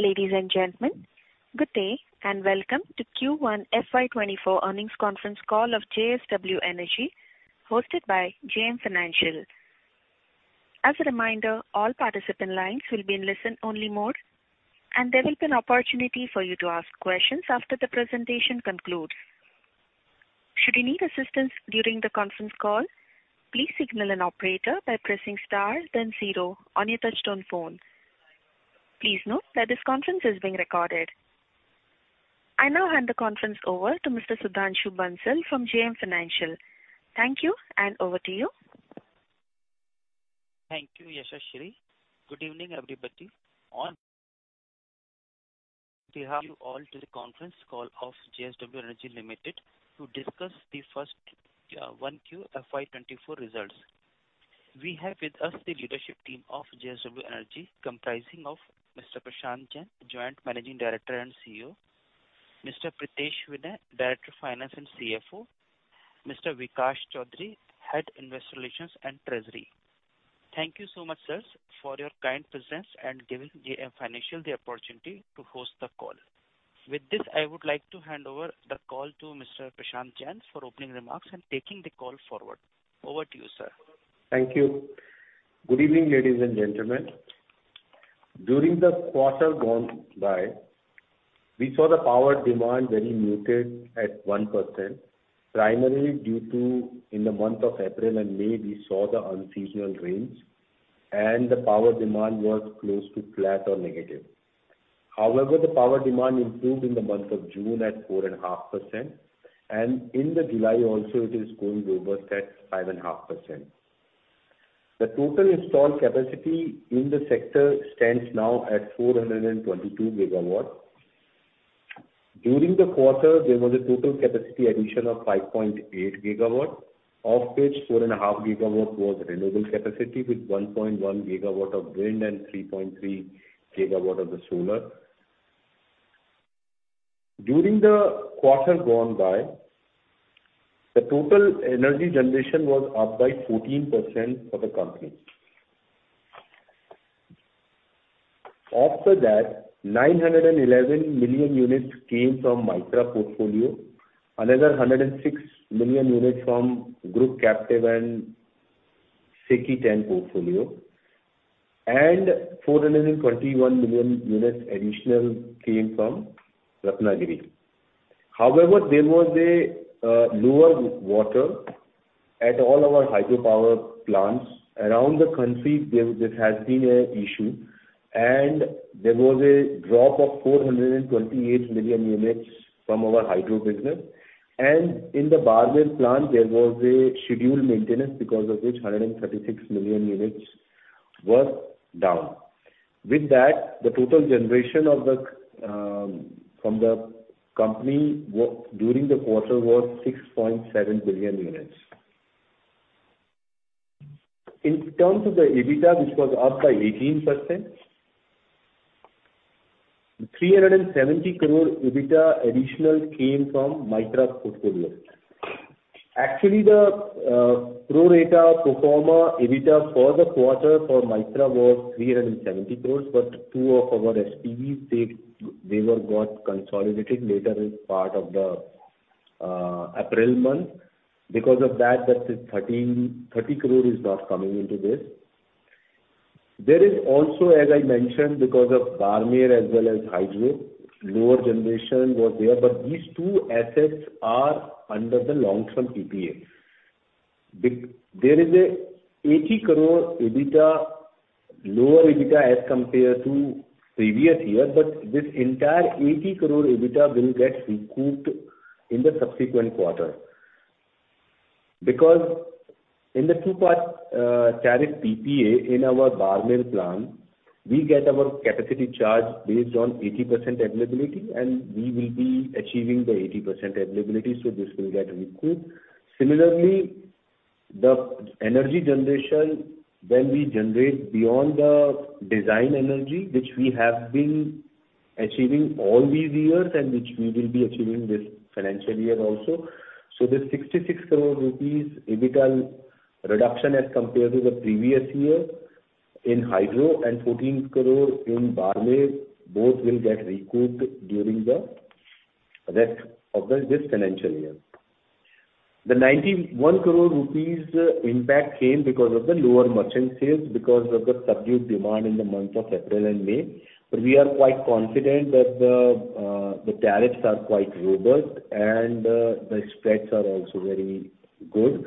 Ladies and gentlemen, good day. Welcome to Q1 FY24 earnings conference call of JSW Energy, hosted by JM Financial. As a reminder, all participant lines will be in listen-only mode. There will be an opportunity for you to ask questions after the presentation concludes. Should you need assistance during the conference call, please signal an operator by pressing star then zero on your touch-tone phone. Please note that this conference is being recorded. I now hand the conference over to Mr. Sudhanshu Bansal from JM Financial. Thank you. Over to you. Thank you, Yashashri. Good evening, everybody, on behalf you all to the conference call of JSW Energy Limited to discuss the first Q1 FY24 results. We have with us the leadership team of JSW Energy, comprising of Mr. Prashant Jain, Joint Managing Director and CEO, Mr. Pritesh Vinay, Director of Finance and CFO, Mr. Bikash Choudhary, Head, Investor Relations and Treasury. Thank you so much, sirs, for your kind presence and giving JM Financial the opportunity to host the call. I would like to hand over the call to Mr. Prashant Jain for opening remarks and taking the call forward. Over to you, sir. Thank you. Good evening, ladies and gentlemen. During the quarter gone by, we saw the power demand very muted at 1%, primarily due to in the month of April and May, we saw the unseasonal rains and the power demand was close to flat or negative. However, the power demand improved in the month of June at 4.5%, and in the July also, it is going robust at 5.5%. The total installed capacity in the sector stands now at 422 GW. During the quarter, there was a total capacity addition of 5.8 GW, of which 4.5 GW was renewable capacity, with 1.1 GW of wind and 3.3 GW of the solar. During the quarter gone by, the total energy generation was up by 14% for the company. Of that, 911 million units came from Mytrah portfolio, another 106 million units from group captive and SECI X portfolio, and 421 million units additional came from Ratnagiri. There was a lower water at all our hydropower plants. Around the country, this has been an issue. There was a drop of 428 million units from our hydro business. In the Barmer plant, there was a scheduled maintenance, because of which 136 million units were down. With that, the total generation of the from the company during the quarter was 6.7 billion units. In terms of the EBITDA, which was up by 18%, 370 crore EBITDA additional came from Mytrah portfolio. Actually, the pro rata pro forma EBITDA for the quarter for Mytrah was 370 crore, but two of our SPVs, they were got consolidated later as part of the April month. That is 13-30 crore is not coming into this. There is also, as I mentioned, because of Barmer as well as hydro, lower generation was there, but these two assets are under the long-term PPA. There is a 80 crore EBITDA, lower EBITDA as compared to previous year, but this entire 80 crore EBITDA will get recouped in the subsequent quarter. In the two-part tariff PPA in our Barmer plant, we get our capacity charge based on 80% availability, and we will be achieving the 80% availability, so this will get recouped. Similarly, the energy generation, when we generate beyond the design energy, which we have been achieving all these years and which we will be achieving this financial year also. The 66 crore rupees EBITDA reduction as compared to the previous year in hydro and 14 crore in Barmer, both will get recouped during the rest of this financial year. The 91 crore rupees impact came because of the lower merchant sales, because of the subdued demand in the months of April and May. We are quite confident that the tariffs are quite robust, and the spreads are also very good.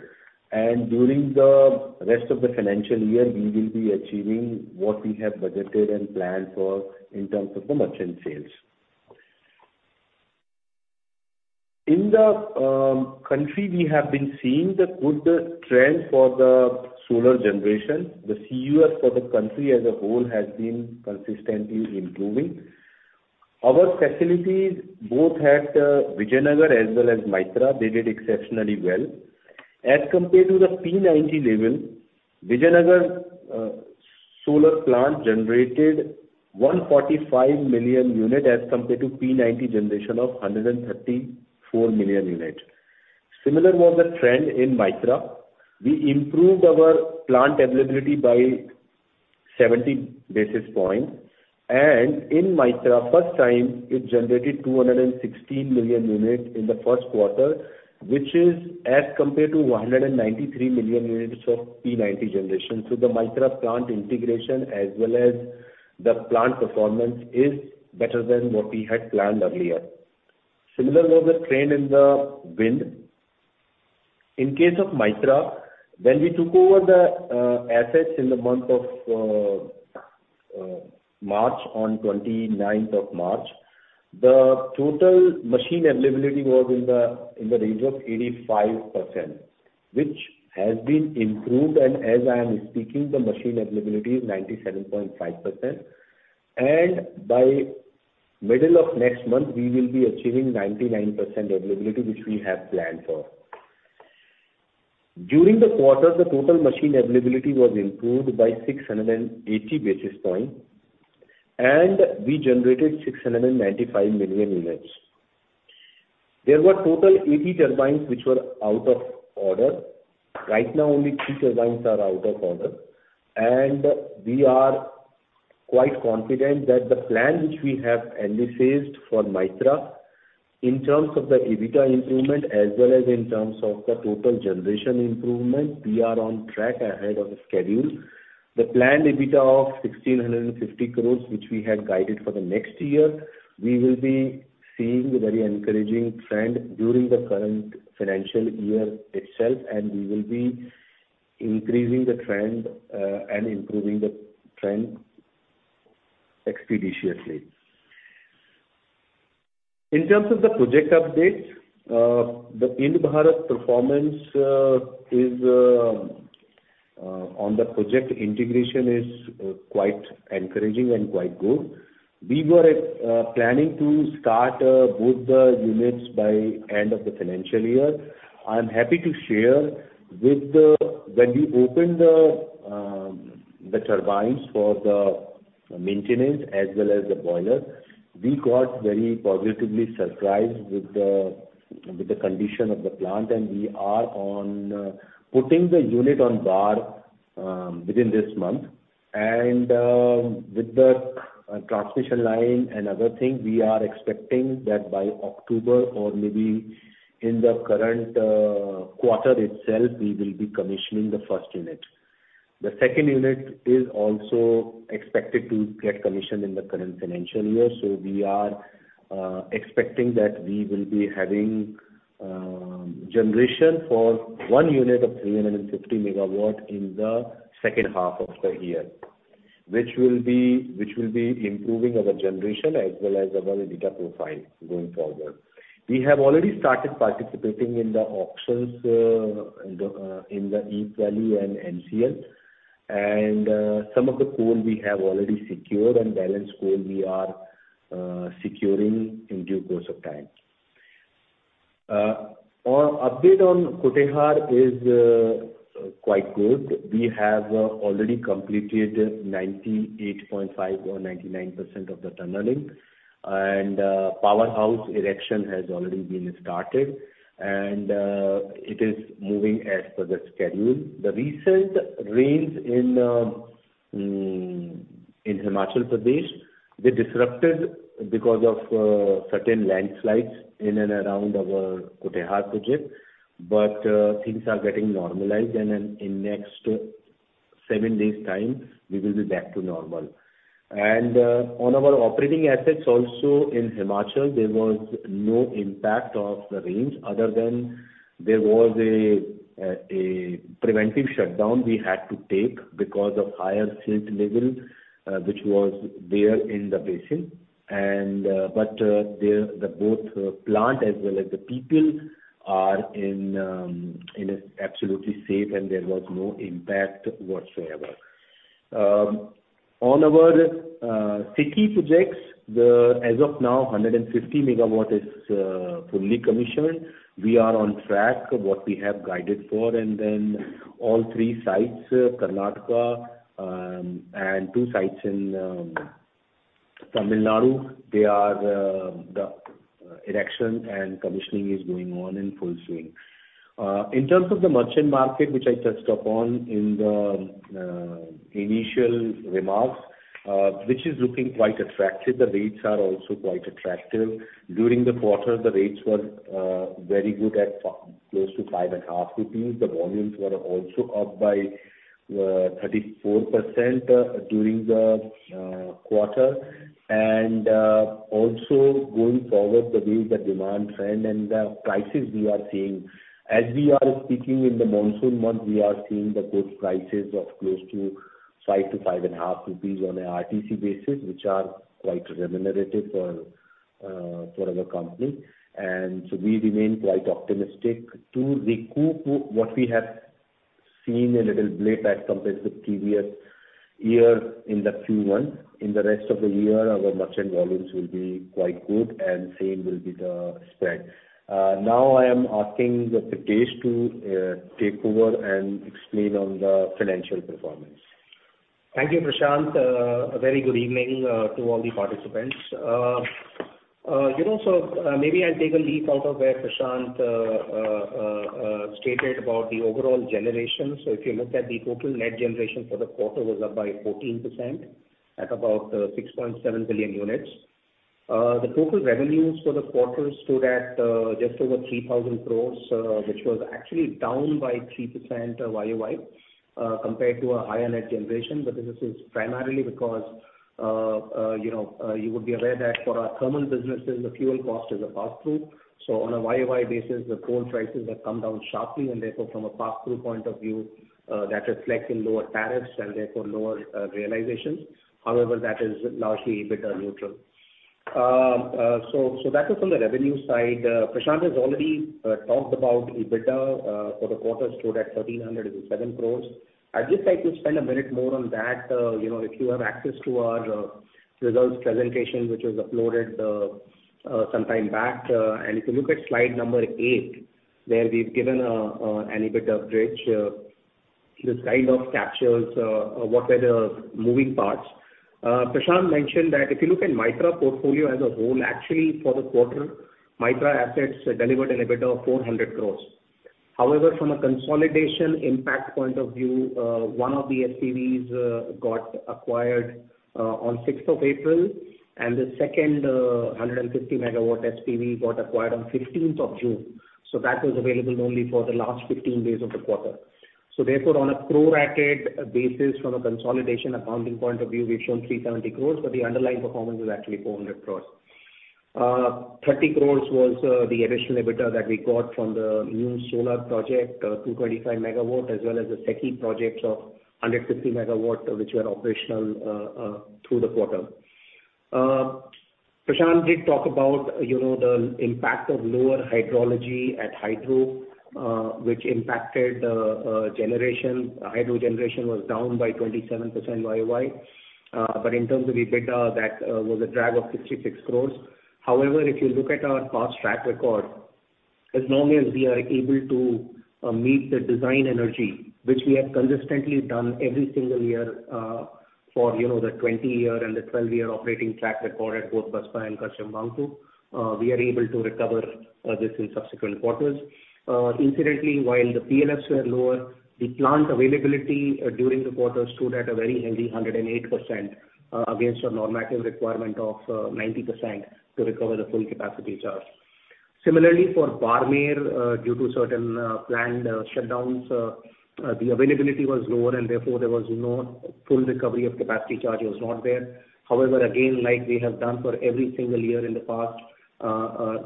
During the rest of the financial year, we will be achieving what we have budgeted and planned for in terms of the merchant sales. In the country, we have been seeing the good trend for the solar generation. The CUF for the country as a whole has been consistently improving. Our facilities, both at Vijaynagar as well as Mytrah, they did exceptionally well. Compared to the P90 level, Vijaynagar solar plant generated 145 million unit compared to P90 generation of 134 million units. Similar was the trend in Mytrah. We improved our plant availability by 70 basis points, in Mytrah, first time, it generated 216 million units in the first quarter, which is compared to 193 million units of P90 generation. The Mytrah plant integration, as well as the plant performance, is better than what we had planned earlier. Similar was the trend in the wind. In case of Mytrah, when we took over the assets in the month of March, on 29th of March, the total machine availability was in the range of 85%, which has been improved, and as I am speaking, the machine availability is 97.5%. By middle of next month, we will be achieving 99% availability, which we have planned for. During the quarter, the total machine availability was improved by 680 basis points, and we generated 695 million units. There were total 80 turbines which were out of order. Right now, only three turbines are out of order, and we are quite confident that the plan which we have envisaged for Mytrah, in terms of the EBITDA improvement as well as in terms of the total generation improvement, we are on track ahead of schedule. The planned EBITDA of 1,650 crores, which we had guided for the next year, we will be seeing a very encouraging trend during the current financial year itself, and we will be increasing the trend and improving the trend expeditiously. In terms of the project updates, the Ind-Bharat performance on the project integration is quite encouraging and quite good. We were planning to start both the units by end of the financial year. I'm happy to share when we opened the turbines for the maintenance as well as the boiler, we got very positively surprised with the condition of the plant, and we are on putting the unit on bar within this month. With the transmission line and other things, we are expecting that by October or maybe in the current quarter itself, we will be commissioning the first unit. The second unit is also expected to get commissioned in the current financial year, so we are expecting that we will be having generation for one unit of 350 megawatt in the second half of the year. Which will be improving our generation as well as our EBITDA profile going forward. We have already started participating in the auctions in the uncertain. Some of the coal we have already secured, and balance coal we are securing in due course of time. On update on Kutehr is quite good. We have already completed 98.5 or 99% of the tunneling. Powerhouse erection has already been started, and it is moving as per the schedule. The recent rains in Himachal Pradesh, they disrupted because of certain landslides in and around our Kutehr project. Things are getting normalized, and then in next 7 days' time, we will be back to normal. On our operating assets also in Himachal, there was no impact of the rains other than there was a preventive shutdown we had to take because of higher silt level, which was there in the basin. There the both plant as well as the people are in a absolutely safe and there was no impact whatsoever. On our city projects, the, as of now, 150 MW is fully commissioned. We are on track what we have guided for, and then all three sites, Karnataka, and two sites in Tamil Nadu, they are the erection and commissioning is going on in full swing. In terms of the merchant market, which I touched upon in the initial remarks, which is looking quite attractive, the rates are also quite attractive. During the quarter, the rates were very good at close to 5.5 rupees. The volumes were also up by 34% during the quarter. Also going forward, the way the demand trend and the prices we are seeing, as we are speaking in the monsoon month, we are seeing the good prices of close to 5-5.5 rupees on a RTC basis, which are quite remunerative for our company. We remain quite optimistic to recoup what we have seen a little blade back compared to the previous year in the Q1. In the rest of the year, our merchant volumes will be quite good, and same will be the spread. Now I am asking Mr. Pritesh Vinay to take over and explain on the financial performance. Thank you, Prashant. A very good evening to all the participants. You know, so maybe I'll take a leaf out of where Prashant stated about the overall generation. If you look at the total net generation for the quarter was up by 14% at about 6.7 billion units. The total revenues for the quarter stood at just over 3,000 crore, which was actually down by 3% YOY, compared to a higher net generation. This is primarily because you would be aware that for our thermal businesses, the fuel cost is a pass-through. On a YOY basis, the coal prices have come down sharply, and therefore, from a pass-through point of view, that reflects in lower tariffs and therefore lower realizations. However, that is largely EBITDA neutral. So that is from the revenue side. Prashant has already talked about EBITDA for the quarter stood at 1,307 crores. I'd just like to spend a minute more on that. You know, if you have access to our results presentation, which was uploaded sometime back, and if you look at slide number eight, where we've given a an EBITDA bridge, this kind of captures what were the moving parts. Prashant mentioned that if you look at Mytrah portfolio as a whole, actually, for the quarter, Mytrah assets delivered an EBITDA of 400 crores. From a consolidation impact point of view, one of the SPVs got acquired on 6th of April, the second 150 MW SPV got acquired on 15th of June. That was available only for the last 15 days of the quarter. On a pro-rated basis from a consolidation accounting point of view, we've shown 370 crores, but the underlying performance is actually 400 crores. 30 crores was the additional EBITDA that we got from the new solar project, 225 MW, as well as the SECI project of 150 MW, which were operational through the quarter. Prashant did talk about the impact of lower hydrology at hydro, which impacted generation. Hydro generation was down by 27% YOY, but in terms of EBITDA, that was a drag of 66 crores. However, if you look at our past track record, as long as we are able to meet the design energy, which we have consistently done every single year, for the 20-year and the 12-year operating track record at both Baspa and Karcham Wangtoo, we are able to recover this in subsequent quarters. Incidentally, while the PLFs were lower, the plant availability during the quarter stood at a very healthy 108%, against a normative requirement of 90% to recover the full capacity charge. Similarly, for Barmer, due to certain planned shutdowns, the availability was lower, and therefore there was no full recovery of capacity charge was not there. However, again, like we have done for every single year in the past,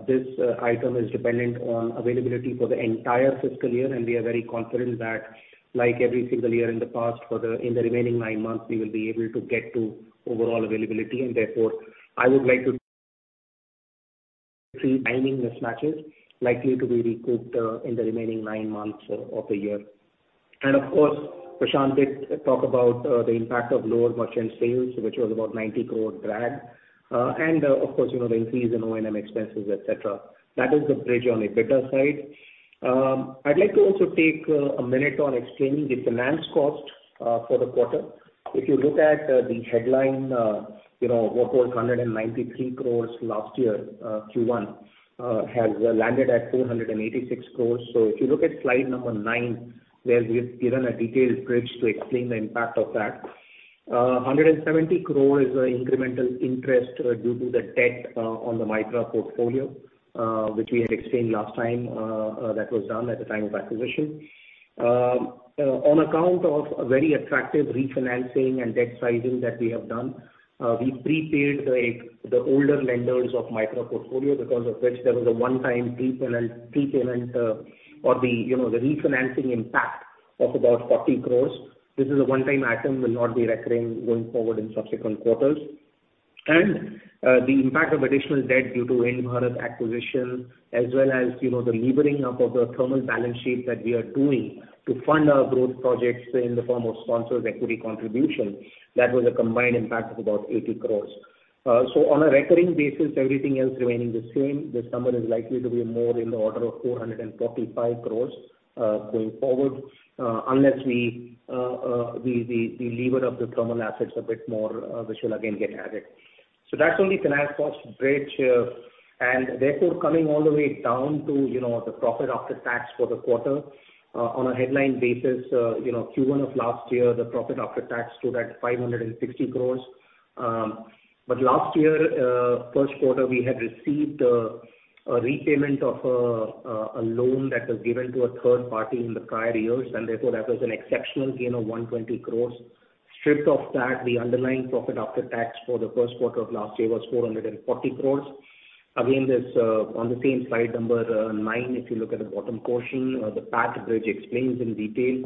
this item is dependent on availability for the entire fiscal year, and we are very confident that, like every single year in the past, for the, in the remaining nine months, we will be able to get to overall availability. Therefore, I would like to see timing mismatches likely to be recouped in the remaining nine months of the year. Of course, Prashant did talk about the impact of lower merchant sales, which was about 90 crore drag. Of course the increase in O&M expenses, et cetera. That is the bridge on EBITDA side. I'd like to also take a minute on explaining the finance cost for the quarter. If you look at the headline overall 193 crore last year, Q1 has landed at 486 crore. If you look at slide number 9, where we've given a detailed bridge to explain the impact of that. 170 crore is the incremental interest due to the debt on the Mytrah portfolio, which we had explained last time, that was done at the time of acquisition. On account of a very attractive refinancing and debt sizing that we have done, we prepaid the older lenders of Mytrah portfolio, because of which there was a one-time pre-payment, or the the refinancing impact of about 40 crore. This is a one-time item, will not be recurring going forward in subsequent quarters. The impact of additional debt due to Mytrah acquisition, as well as the levering up of the thermal balance sheet that we are doing to fund our growth projects in the form of sponsored equity contribution, that was a combined impact of about 80 crores. So on a recurring basis, everything else remaining the same, this number is likely to be more in the order of 445 crores going forward, unless we lever up the thermal assets a bit more, which will again get added. That's only finance cost bridge. Therefore, coming all the way down to the profit after tax for the quarter. On a headline basis Q1 of last year, the profit after tax stood at 560 crores. Last year, first quarter, we had received a repayment of a loan that was given to a third party in the prior years, and therefore that was an exceptional gain of 120 crores. Stripped off that, the underlying profit after tax for the first quarter of last year was 440 crores. Again, this on the same slide number nine, if you look at the bottom portion, the PAT bridge explains in detail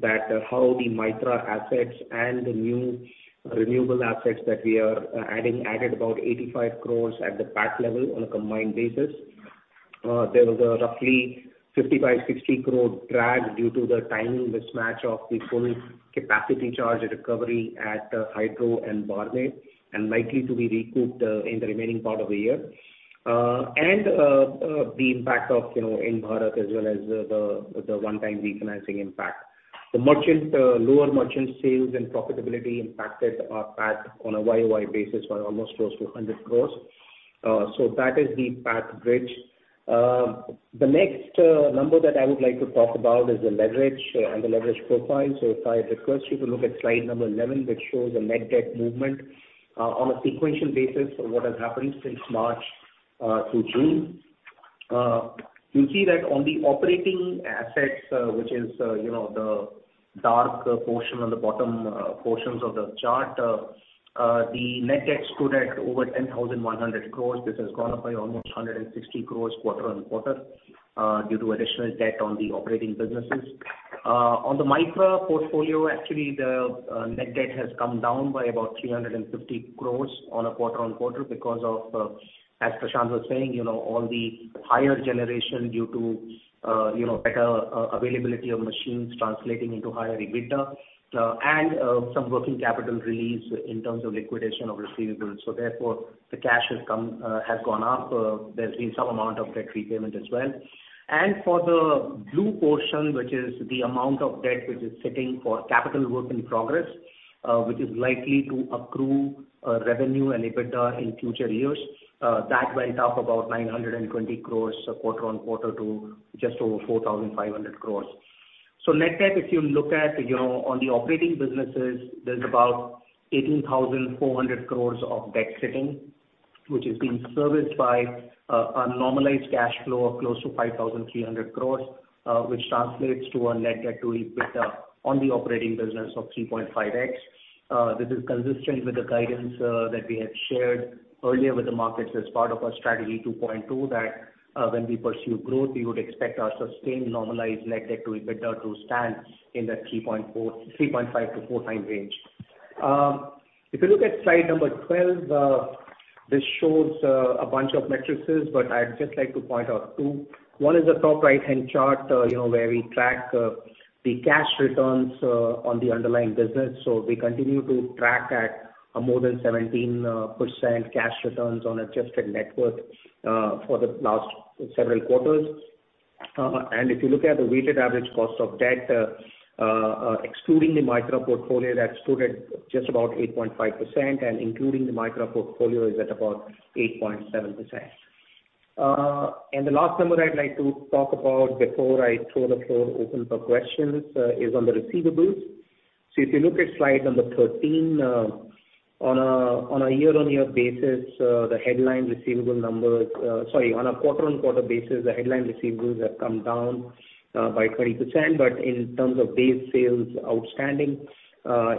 that how the Mytrah assets and the new renewable assets that we are adding, added about 85 crores at the PAT level on a combined basis. There was a roughly 55-60 crore drag due to the timing mismatch of the full capacity charge recovery at Hydro and Barmer, and likely to be recouped in the remaining part of the year. The impact of uncertain, as well as the one-time refinancing impact. The merchant, lower merchant sales and profitability impacted our PAT on a YOY basis by almost close to 100 crores. That is the PAT bridge. The next number that I would like to talk about is the leverage and the leverage profile. If I request you to look at slide number 11, which shows the net debt movement on a sequential basis of what has happened since March through June. You'll see that on the operating assets, which is the dark portion on the bottom portions of the chart, the net debt stood at over 10,100 crores. This has gone up by almost 160 crores quarter-on-quarter due to additional debt on the operating businesses. On the Mytrah portfolio, actually, the net debt has come down by about 350 crores on a quarter-on-quarter because of, as Prashant was saying all the higher generation due to better availability of machines translating into higher EBITDA, and some working capital release in terms of liquidation of receivables. Therefore, the cash has come, has gone up, there's been some amount of debt repayment as well. For the blue portion, which is the amount of debt which is sitting for capital work in progress, which is likely to accrue revenue and EBITDA in future years, that went up about 920 crores quarter-on-quarter to just over 4,500 crores. Net debt, if you look at on the operating businesses, there's about 18,400 crores of debt sitting, which is being serviced by a normalized cash flow of close to 5,300 crores, which translates to a net debt to EBITDA on the operating business of 3.5x. This is consistent with the guidance that we have shared earlier with the markets as part of our Strategy 2.0, that when we pursue growth, we would expect our sustained normalized net debt to EBITDA to stand in the 3.5-4 times range. If you look at slide number 12, this shows a bunch of matrices, but I'd just like to point out two. One is the top right-hand chart where we track the cash returns on the underlying business. We continue to track at a more than 17% cash returns on adjusted net worth for the last several quarters. If you look at the weighted average cost of debt, excluding the Mytrah portfolio, that stood at just about 8.5%, and including the Mytrah portfolio, is at about 8.7%. The last number I'd like to talk about before I throw the floor open for questions, is on the receivables. If you look at slide number 13, on a year-on-year basis, the headline receivable numbers. Sorry, on a quarter-on-quarter basis, the headline receivables have come down by 20%. In terms of base sales outstanding,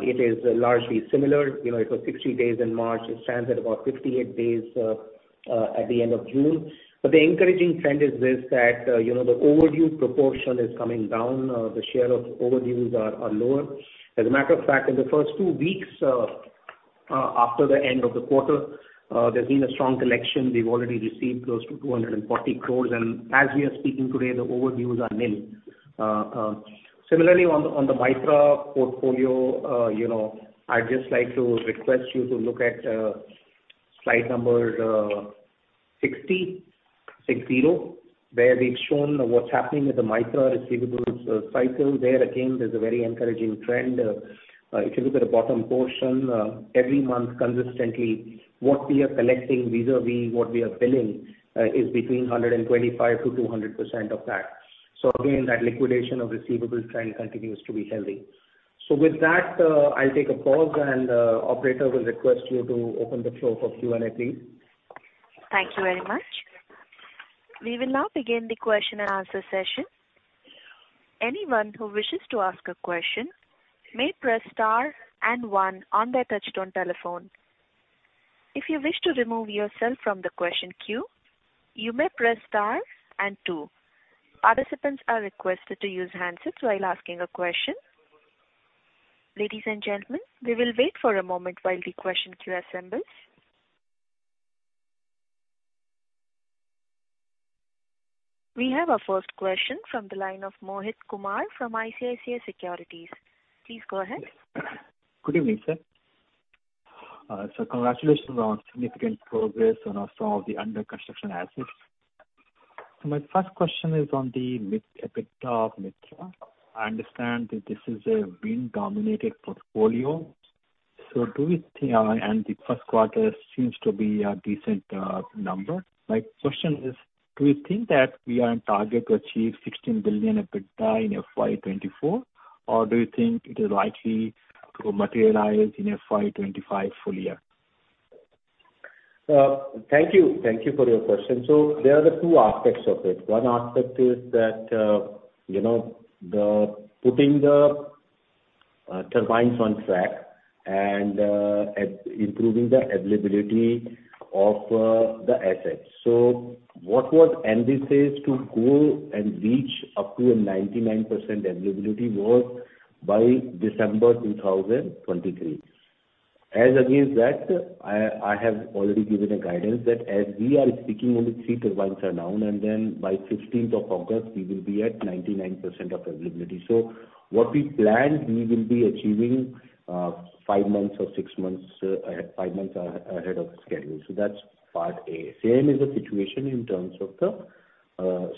it is largely similar. You know, it was 60 days in March. It stands at about 58 days at the end of June. The encouraging trend is this, that the overdue proportion is coming down, the share of overdues are lower. As a matter of fact, in the first two weeks after the end of the quarter, there's been a strong collection. We've already received close to 240 crores, and as we are speaking today, the overdues are nil. Similarly, on the Mytrah portfolio I'd just like to request you to look at slide number 60, where we've shown what's happening with the Mytrah receivables cycle. There again, there's a very encouraging trend. If you look at the bottom portion, every month consistently, what we are collecting vis-à-vis what we are billing, is between 125%-200% of that. Again, that liquidation of receivables trend continues to be healthy. With that, I'll take a pause and, operator will request you to open the floor for Q&A, please. Thank you very much. We will now begin the question and answer session. Anyone who wishes to ask a question may press star and one on their touchtone telephone. If you wish to remove yourself from the question queue, you may press star and two. All participants are requested to use handsets while asking a question. Ladies and gentlemen, we will wait for a moment while the question queue assembles. We have our first question from the line of Mohit Kumar, from ICICI Securities. Please go ahead. Good evening, sir. Congratulations on significant progress on some of the under construction assets. My first question is on the EBITDA of Mytrah. I understand that this is a wind-dominated portfolio, so do you think, and the first quarter seems to be a decent number. My question is: Do you think that we are on target to achieve 16 billion EBITDA in FY 2024, or do you think it is likely to materialize in FY 2025 full year? Thank you. Thank you for your question. There are the two aspects of it. One aspect is that the putting the turbines on track and at improving the availability of the assets. What was ambitious to go and reach up to a 99% availability was by December 2023. As against that, I have already given a guidance that as we are speaking, only 3 turbines are down, and then by 15th of August, we will be at 99% of availability. What we planned, we will be achieving 5 months or 6 months at 5 months ahead of schedule. That's part A. Same is the situation in terms of the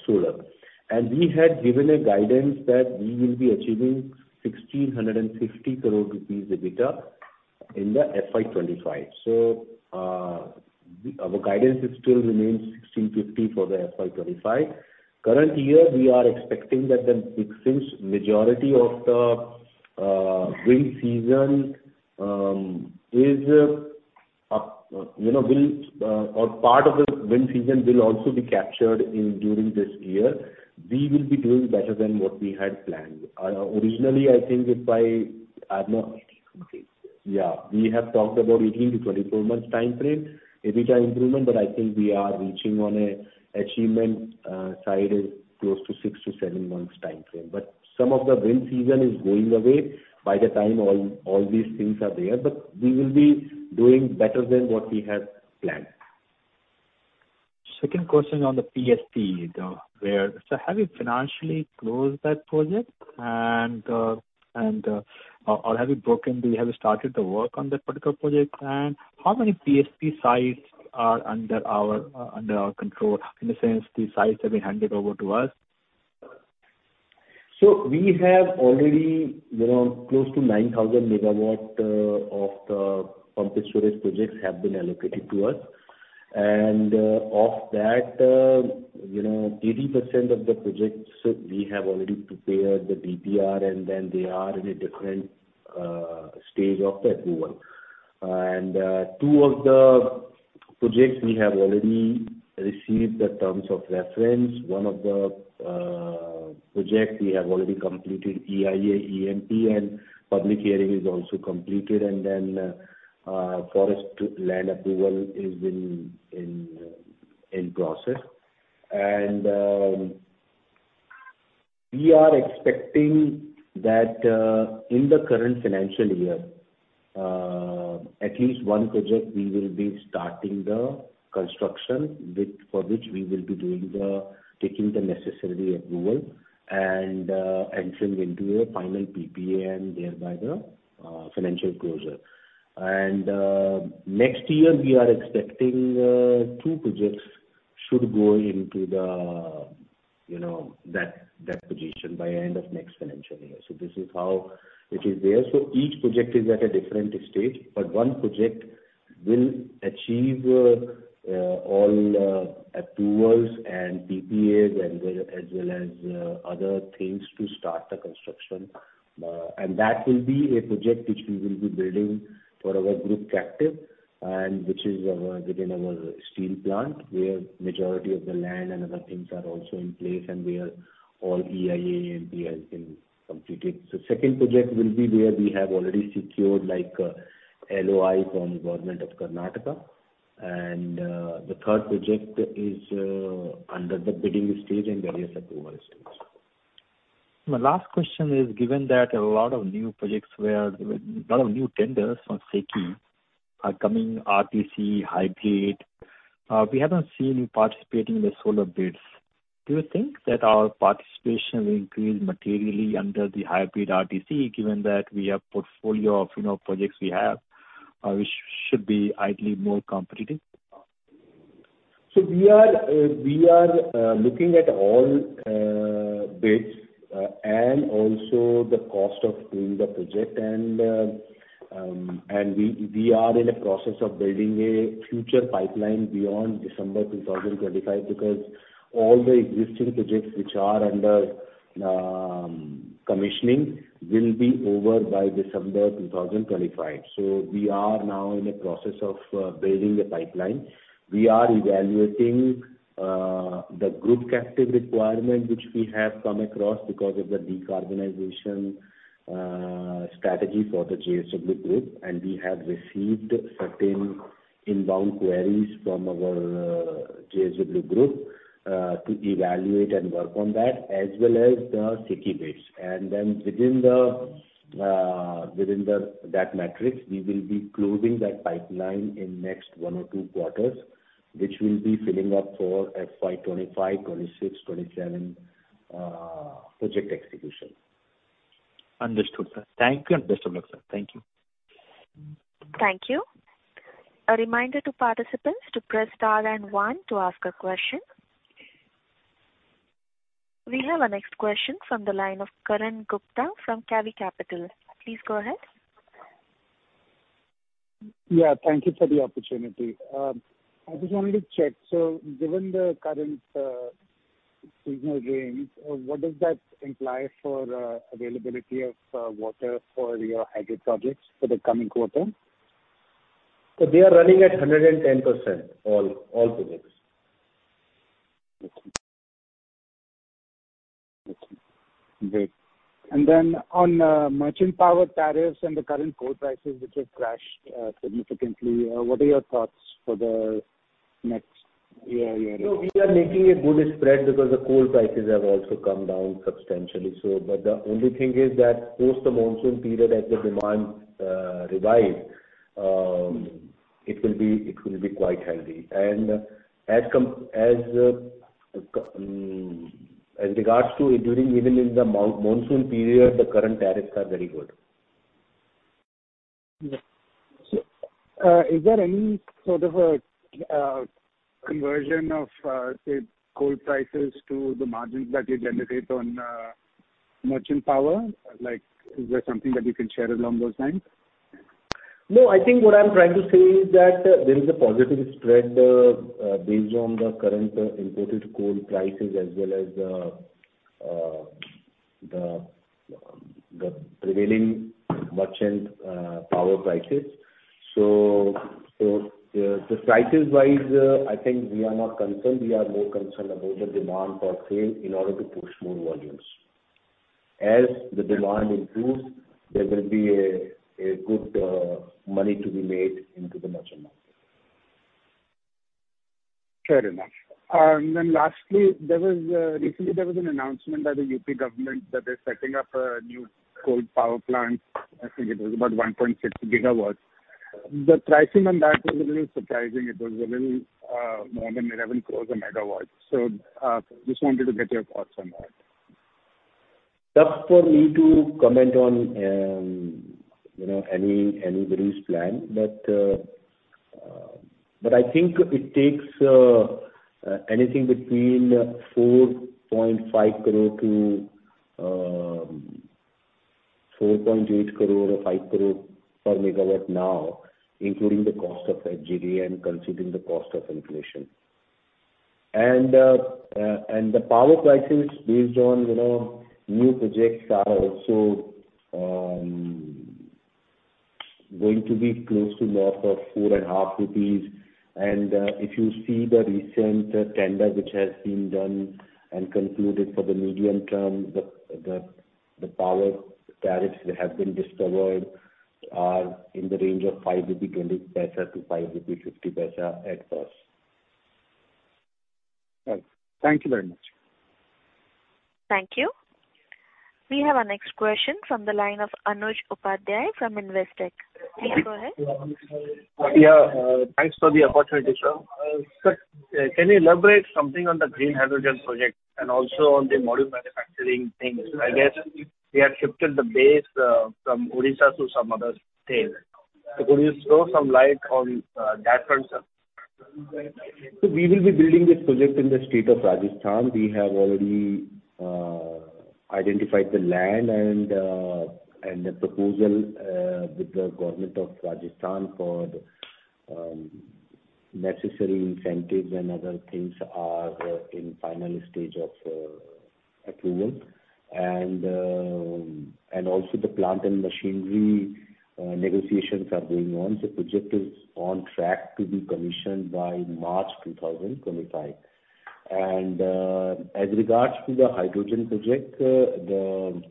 solar. We had given a guidance that we will be achieving 1,650 crore rupees EBITDA-... in the FY 2025. Our guidance is still remains 1,650 for the FY 2025. Current year, we are expecting that the existing majority of the wind season will or part of the wind season will also be captured in during this year. We will be doing better than what we had planned. Originally, I think if I don't know. Okay. Yeah, we have talked about 18-24 months time frame, EBITDA improvement, but I think we are reaching on a achievement side is close to 6-7 months time frame. Some of the wind season is going away by the time all these things are there, but we will be doing better than what we had planned. Second question on the PSP, so have you financially closed that project? Have you started the work on that particular project? How many PSP sites are under our control, in the sense the sites have been handed over to us? We have already close to 9,000 megawatt of the pumped storage projects have been allocated to us. Of that 80% of the projects, we have already prepared the DPR, they are in a different stage of the approval. 2 of the projects we have already received the terms of reference. 1 of the project we have already completed EIA, EMP, and public hearing is also completed, forest land approval is in process. We are expecting that in the current financial year, at least 1 project, we will be starting the construction, which, for which we will be taking the necessary approval and entering into a final PPA and thereby the financial closure. Next year, we are expecting two projects should go into the that position by end of next financial year. This is how it is there. Each project is at a different stage, but one project will achieve all approvals and PPAs, as well, as well as other things to start the construction. That will be a project which we will be building for our group captive and which is our, within our steel plant, where majority of the land and other things are also in place, and where all EIA, EMP has been completed. Second project will be where we have already secured, like, LOI from the government of Karnataka. The third project is under the bidding stage and various approval stages. My last question is, given that a lot of new projects where a lot of new tenders from SECI are coming, RTC, hybrid, we haven't seen you participating in the solar bids. Do you think that our participation will increase materially under the hybrid RTC, given that we have portfolio of projects we have, which should be ideally more competitive? We are looking at all bids and also the cost of doing the project. We are in the process of building a future pipeline beyond December 2025, because all the existing projects which are under commissioning, will be over by December 2025. We are now in the process of building a pipeline. We are evaluating the group captive requirement, which we have come across because of the decarbonization strategy for the JSW Group, and we have received certain inbound queries from our JSW Group to evaluate and work on that, as well as the SECI bids. Within that matrix, we will be closing that pipeline in next 1 or 2 quarters, which will be filling up for FY 2025, 2026, 2027 project execution. Understood, sir. Thank you. Thank you. A reminder to participants to press star and 1 to ask a question. We have our next question from the line of Karan Gupta from CAVI Capital. Please go ahead. Thank you for the opportunity. I just wanted to check, given the current seasonal rains, what does that imply for availability of water for your hydro projects for the coming quarter? They are running at 110%, all projects. Great. Then on merchant power tariffs and the current coal prices, which have crashed significantly, what are your thoughts for the next year? No, we are making a good spread because the coal prices have also come down substantially, so. The only thing is that post the monsoon period, as the demand revives. Mm. it will be quite healthy. As regards to during, even in the monsoon period, the current tariffs are very good. Is there any sort of a conversion of, say, coal prices to the margins that you generate on merchant power? Like, is there something that you can share along those lines? I think what I'm trying to say is that there is a positive spread, based on the current imported coal prices as well as the prevailing merchant power prices. The prices wise, I think we are not concerned. We are more concerned about the demand for sale in order to push more volumes. As the demand improves, there will be a good money to be made into the merchant market. Fair enough. Lastly, recently there was an announcement by the UP government that they're setting up a new coal power plant. I think it was about 1.6 GW. The pricing on that was a little surprising. It was a little more than 11 crores a megawatt. Just wanted to get your thoughts on that. Tough for me to comment on anybody's plan. I think it takes anything between 4.5 crore to 4.8 crore or 5 crore per megawatt now, including the cost of FGD and considering the cost of inflation. The power prices based on new projects are also going to be close to north of 4.5 rupees. If you see the recent tender which has been done and concluded for the medium term, the power tariffs that have been discovered are in the range of 5.20 rupees to 5.50 rupees at first. Right. Thank you very much. Thank you. We have our next question from the line of Anuj Upadhyay from Investec. Please go ahead. Yeah, thanks for the opportunity, sir. Sir, can you elaborate something on the green hydrogen project and also on the module manufacturing things? I guess we have shifted the base from Odisha to some other state. Could you throw some light on that front, sir? We will be building this project in the state of Rajasthan. We have already identified the land and the proposal with the government of Rajasthan for the necessary incentives and other things are in final stage of approval. Also the plant and machinery negotiations are going on. The project is on track to be commissioned by March 2025. As regards to the hydrogen project, the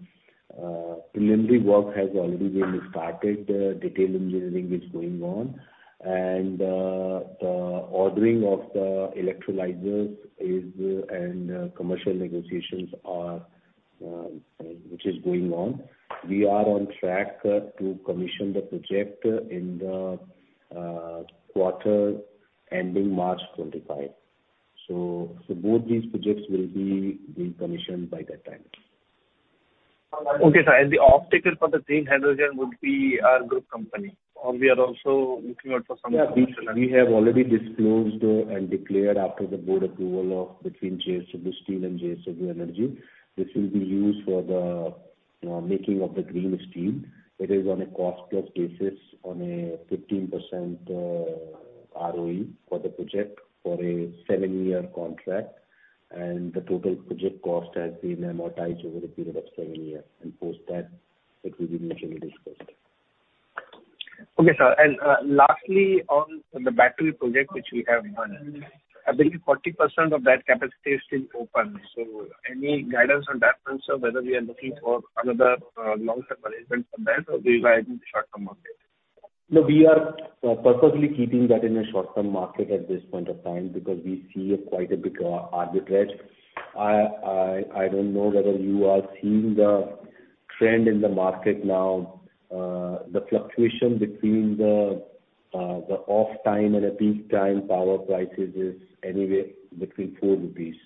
preliminary work has already been started. Detail engineering is going on, and the ordering of the electrolyzers is and commercial negotiations are which is going on. We are on track to commission the project in the quarter ending March 25. Both these projects will be being commissioned by that time. Okay, sir, the off taker for the green hydrogen would be our group company, or we are also looking out for some- We have already disclosed and declared after the board approval of between JSW Steel and JSW Energy. This will be used for the making of the green steel. It is on a cost plus basis on a 15% ROE for the project, for a 7-year contract, and the total project cost has been amortized over a period of 7 years, and post that, it will be mutually discussed. Okay, sir. Lastly, on the battery project which we have done, I believe 40% of that capacity is still open. Any guidance on that front, sir, whether we are looking for another long-term arrangement from that or we will be in the short-term market? No, we are purposely keeping that in a short-term market at this point of time, because we see a quite a big arbitrage. I don't know whether you are seeing the trend in the market now. The fluctuation between the off-time and the peak time power prices is anywhere between 4 rupees.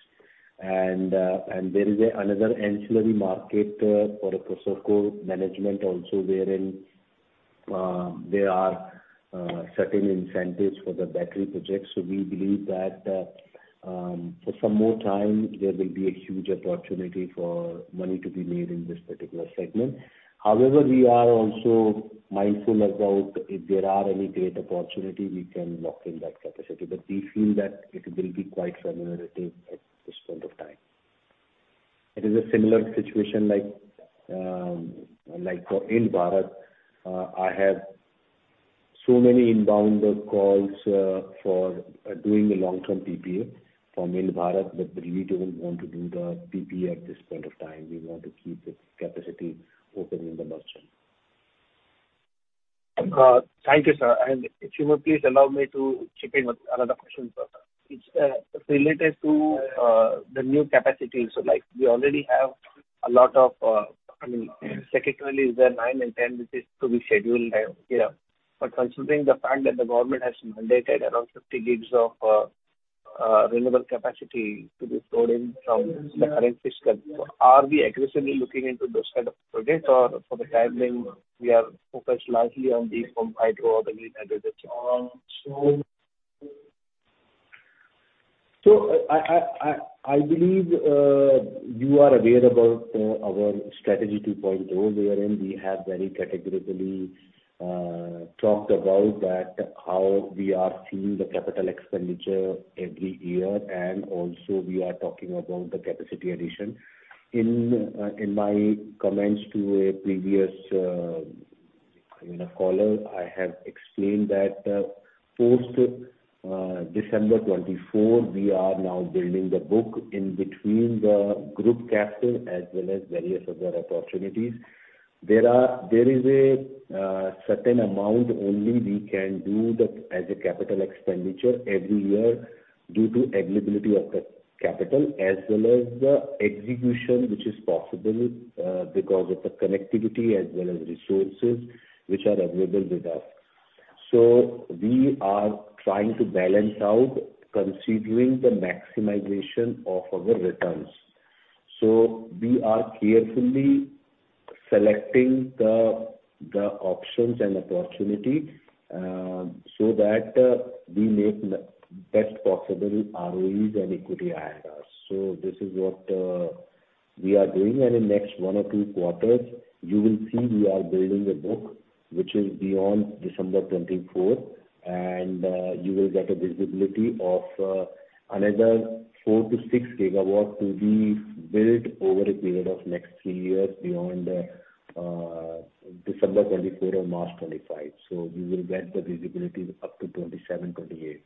There is another ancillary market for a pro-circle management also, wherein there are certain incentives for the battery project. We believe that for some more time, there will be a huge opportunity for money to be made in this particular segment. However, we are also mindful about if there are any great opportunity, we can lock in that capacity, but we feel that it will be quite speculative at this point of time. It is a similar situation like for Ind-Bharat. I have so many inbound calls for doing a long-term PPA from Ind-Bharat. We don't want to do the PPA at this point of time. We want to keep the capacity open in the merchant. thank you, sir. If you would please allow me to chip in with another question, sir. It's related to the new capacity. Like, we already have a lot of, I mean, sequentially, is there 9 and 10, which is to be scheduled, year. Considering the fact that the government has mandated around 50 gigawatts of renewable capacity to be stored in from the current fiscal. Are we aggressively looking into those kind of projects, or for the time being, we are focused largely on the from hydro or the green hydrogen? I believe you are aware about our Strategy 2.0 where we are in. We have very categorically talked about that, how we are seeing the capital expenditure every year, and also we are talking about the capacity addition. In my comments to a previous caller, I have explained that post December 2024, we are now building the book in between the group captive as well as various other opportunities. There is a certain amount only we can do that as a capital expenditure every year due to availability of capital, as well as the execution, which is possible because of the connectivity as well as resources which are available with us. We are trying to balance out considering the maximization of our returns. We are carefully selecting the options and opportunity so that we make the best possible ROEs and equity IRRs. This is what we are doing, and in next 1 or 2 quarters, you will see we are building a book which is beyond December 2024, and you will get a visibility of another 4 to 6 gigawatts to be built over a period of next 3 years beyond December 2024 or March 2025. You will get the visibility up to 2027, 2028.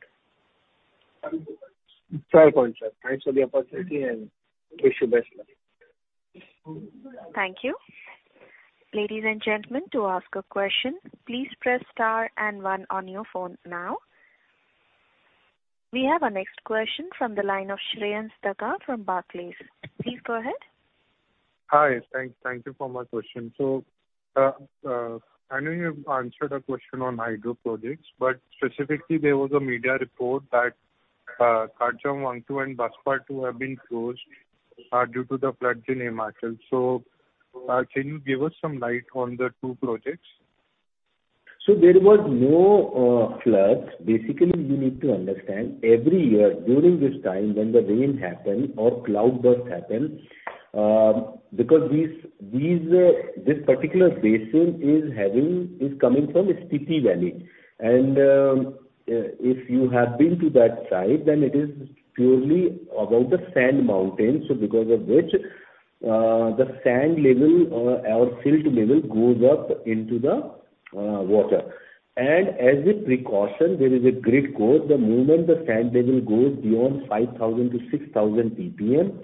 Very good. Thanks for the opportunity and wish you best luck. Thank you. Ladies and gentlemen, to ask a question, please press star and one on your phone now. We have our next question from the line of Shreyans Daga from Barclays. Please go ahead. Hi, thank you for my question. I know you've answered a question on hydro projects, but specifically, there was a media report that Karcham Wangtoo and Baspa have been closed due to the floods in Himachal. Can you give us some light on the two projects? There was no flood. Basically, you need to understand, every year during this time, when the rain happen or cloudburst happen, because these, this particular basin is having, is coming from Spiti Valley. If you have been to that side, then it is purely about the sand mountains. Because of which, the sand level or silt level goes up into the water. As a precaution, there is a grid code. The moment the sand level goes beyond 5,000-6,000 ppm,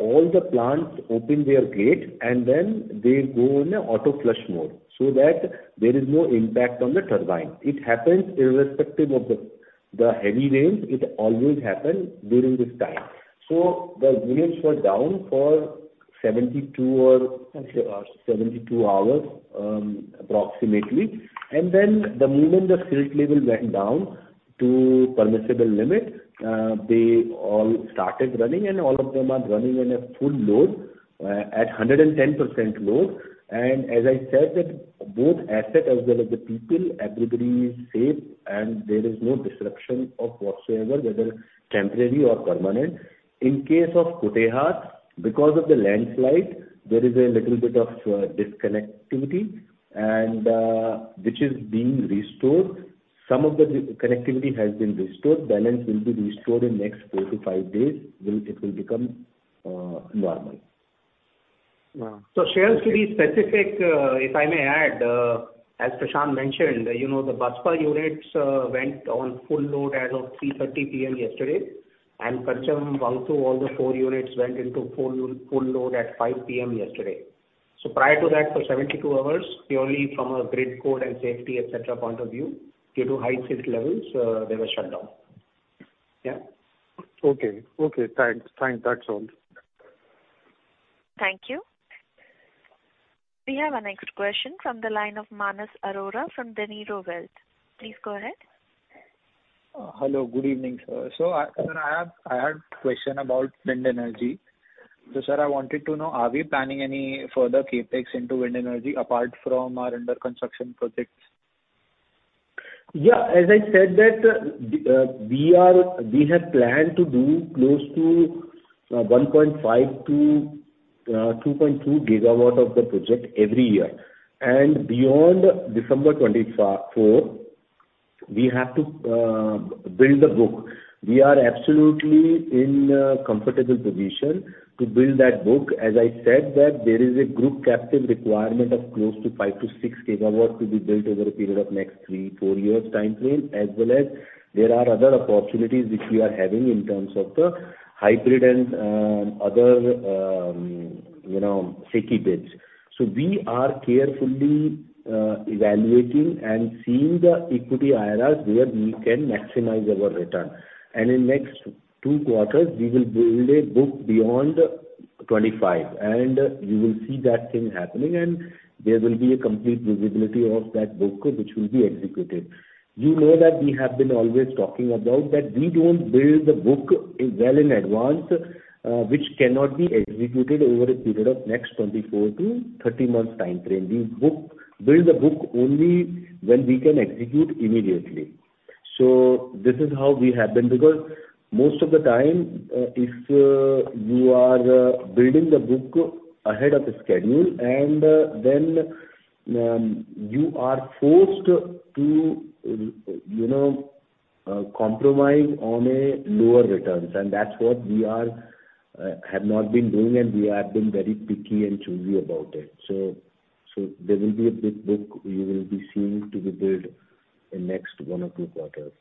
all the plants open their gate, and then they go in a auto flush mode so that there is no impact on the turbine. It happens irrespective of the heavy rains. It always happen during this time. The units were down for 72 hours approximately. The moment the silt level went down to permissible limit, they all started running, and all of them are running in a full load, at 110% load. As I said, that both asset as well as the people, everybody is safe, and there is no disruption of whatsoever, whether temporary or permanent. In case of Kutehr, because of the landslide, there is a little bit of disconnectivity and which is being restored. Some of the connectivity has been restored. Balance will be restored in next four to five days, it will become normal. Yeah. Shreyans, to be specific, if I may add, as Prashant mentioned the Baspa units, went on full load as of 3:30 P.M. yesterday, and Karcham Wangtoo, all the four units went into full load at 5:00 P.M. yesterday. Prior to that, for 72 hours, purely from a grid code and safety, et cetera, point of view, due to high silt levels, they were shut down. Yeah. Okay. Okay, thanks. Thanks. That's all. Thank you. We have our next question from the line of Manas Arora from Dinero Capital. Please go ahead. Hello, good evening, sir. I had a question about wind energy. Sir, I wanted to know, are we planning any further CapEx into wind energy apart from our under construction projects? Yeah, as I said, that we have planned to do close to 1.5-2.2 GW of the project every year. Beyond December 2024, we have to build the book. We are absolutely in a comfortable position to build that book. As I said, that there is a group captive requirement of close to 5-6 GW to be built over a period of next 3-4 years time frame, as well as there are other opportunities which we are having in terms of the hybrid and sticky bits. We are carefully evaluating and seeing the equity IRRs, where we can maximize our return. In next two quarters, we will build a book beyond... 25, You will see that thing happening, There will be a complete visibility of that book which will be executed. You know that we have been always talking about, that we don't build the book well in advance, which cannot be executed over a period of next 24 to 30 months time frame. We build the book only when we can execute immediately. This is how we have been, because most of the time, if you are building the book ahead of the schedule, then you are forced to compromise on a lower returns. That's what we have not been doing, and we have been very picky and choosy about it. There will be a big book you will be seeing to be built in next 1 or 2 quarters.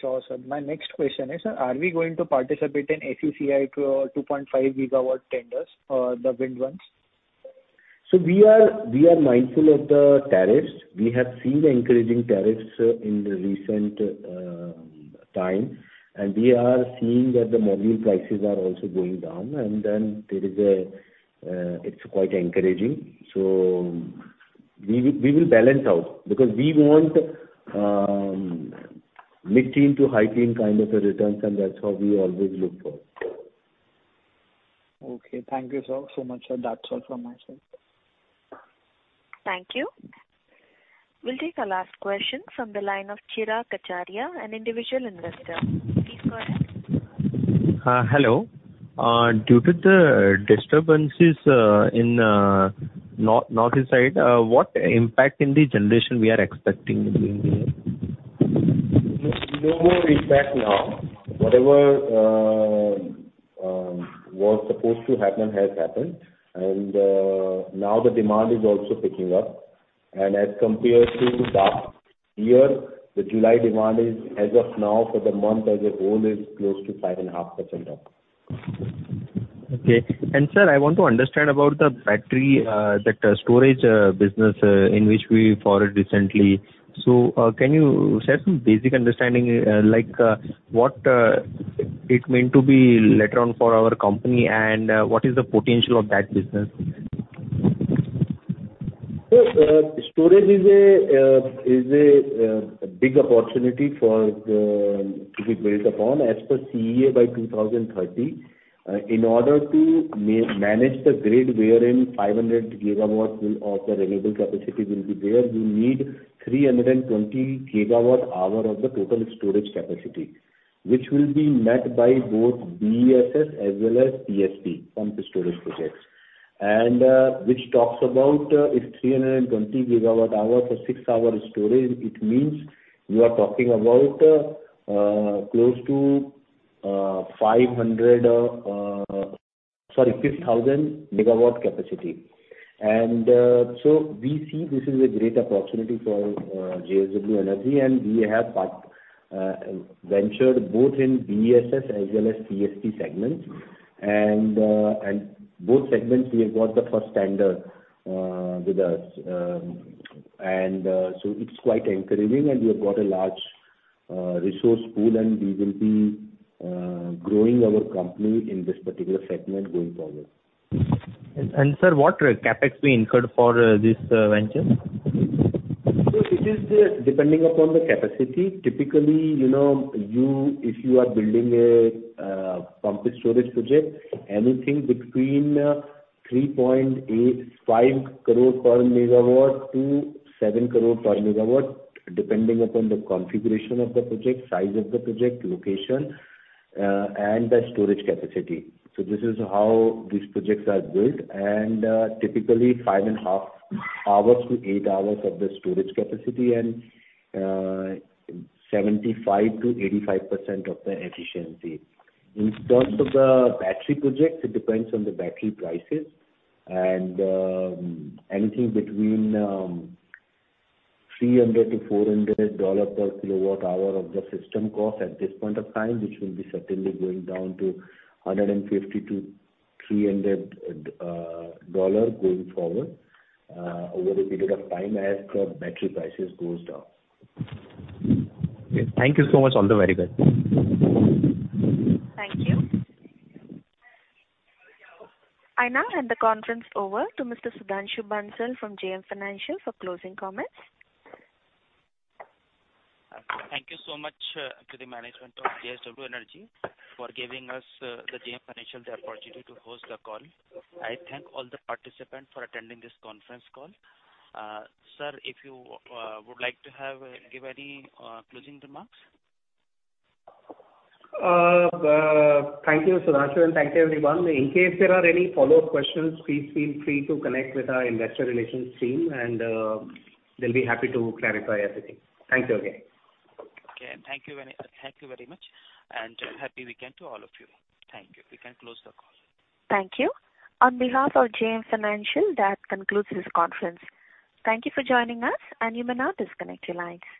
Sure, sir. My next question is, sir: are we going to participate in SECI 2.5 GW tenders for the wind ones? We are mindful of the tariffs. We have seen the encouraging tariffs in the recent time. We are seeing that the module prices are also going down. It's quite encouraging. We will balance out, because we want mid-teen to high-teen kind of a returns, and that's what we always look for. Okay. Thank you, sir, so much, sir. That's all from my side. Thank you. We'll take a last question from the line of Chirag Acharya, an individual investor. Please go ahead. Hello. Due to the disturbances in northeast side, what impact in the generation we are expecting during the year? No more impact now. Whatever was supposed to happen has happened, and now the demand is also picking up. As compared to the last year, the July demand is, as of now, for the month as a whole, is close to 5.5% up. Okay. Sir, I want to understand about the battery, that storage, business, in which we forward recently. Can you share some basic understanding, like, what it meant to be later on for our company, and what is the potential of that business? Storage is a big opportunity for the, to be built upon. As per CEA, by 2030, in order to manage the grid wherein 500 gigawatts of the renewable capacity will be there, you need 320 gigawatt hour of the total storage capacity, which will be met by both BESS as well as PSP, pumped storage projects. Which talks about, if 320 gigawatt hour for 6-hour storage, it means you are talking about close to 500, sorry, 50,000 megawatt capacity. So we see this is a great opportunity for JSW Energy, and we have part ventured both in BESS as well as PSP segments. Both segments, we have got the first vendor with us, and so it's quite encouraging and we have got a large resource pool and we will be growing our company in this particular segment going forward. Sir, what CapEx we incurred for this venture? It is depending upon the capacity. typically if you are building a pumped storage project, anything between 3.85 crore per megawatt to 7 crore per megawatt, depending upon the configuration of the project, size of the project, location, and the storage capacity. This is how these projects are built, and typically 5.5 hours to 8 hours of the storage capacity and 75%-85% of the efficiency. In terms of the battery projects, it depends on the battery prices, and anything between $300-$400 per kilowatt hour of the system cost at this point of time, which will be certainly going down to $150-$300 going forward over a period of time as the battery prices goes down. Okay. Thank you so much. All the very good. Thank you. I now hand the conference over to Mr. Sudhanshu Bansal from JM Financial for closing comments. Thank you so much to the management of JSW Energy for giving us, the JM Financial, the opportunity to host the call. I thank all the participants for attending this conference call. Sir, if you would like to have give any closing remarks? Thank you, Sudhanshu. Thank you, everyone. In case there are any follow-up questions, please feel free to connect with our investor relations team. They'll be happy to clarify everything. Thank you again. Okay. Thank you very much, happy weekend to all of you. Thank you. We can close the call. Thank you. On behalf of JM Financial, that concludes this conference. Thank you for joining us, and you may now disconnect your lines.